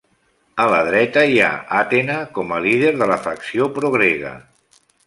A la dreta hi ha Athena com a líder de la facció pro-grega.